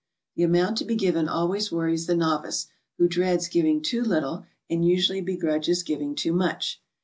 The amount to be given always worries the novice, who dreads giving too little, and usually begrudges giving too much.